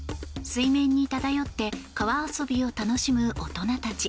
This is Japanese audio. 水面に漂って川遊びを楽しむ大人たち。